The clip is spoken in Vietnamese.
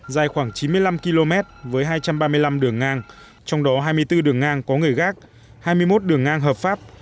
dài khoảng chín mươi năm km với hai trăm ba mươi năm đường ngang trong đó hai mươi bốn đường ngang có người gác hai mươi một đường ngang hợp pháp